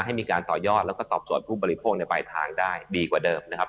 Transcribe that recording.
ให้มีการต่อยอดแล้วก็ตอบโจทย์ผู้บริโภคในปลายทางได้ดีกว่าเดิมนะครับ